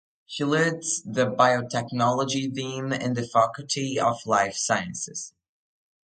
She leads the biotechnology theme in the Faculty of Life Sciences.